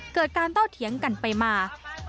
เกิดการโต้เถียงกันไปมา